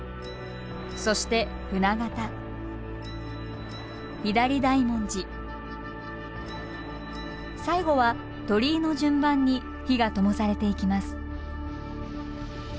そして「船形」「左大文字」最後は「鳥居」の順番に火がともされていきます。